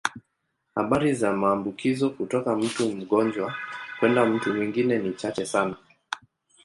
Habari za maambukizo kutoka mtu mgonjwa kwenda mtu mwingine ni chache sana.